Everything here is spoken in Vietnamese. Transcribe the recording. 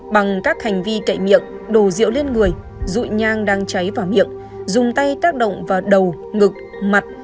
bằng các hành vi cậy miệng đổ rượu lên người dụi nhang đang cháy vào miệng dùng tay tác động vào đầu ngực mặt